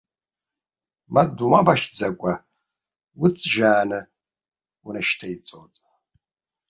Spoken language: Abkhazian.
Ма, думабашьӡакәа, уҵжааны унышьҭеиҵоит.